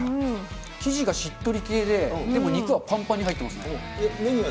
生地がしっとり系で、でも肉はぱんぱんに入ってますね。